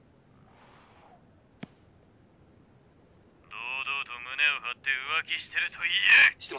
「堂々と胸を張って浮気してると言え！」。